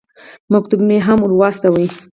مکتوب مې هم ور واستاوه.